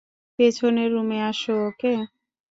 পেছনের রুমে আসো, ওকে?